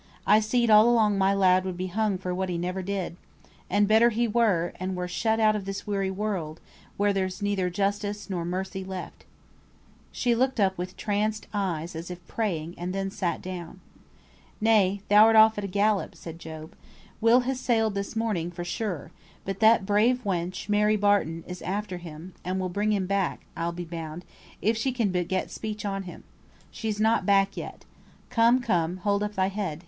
I seed all along my lad would be hung for what he never did. And better he were, and were shut of this weary world, where there's neither justice nor mercy left." [Footnote 49: "Shut," quit.] She looked up with tranced eyes as if praying to that throne where mercy ever abideth, and then sat down. "Nay, now thou'rt off at a gallop," said Job. "Will has sailed this morning for sure, but that brave wench, Mary Barton, is after him, and will bring him back, I'll be bound, if she can but get speech on him. She's not back yet. Come, come, hold up thy head.